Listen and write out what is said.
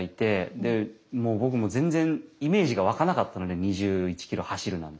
でもう僕も全然イメージが湧かなかったので２１ｋｍ走るなんて。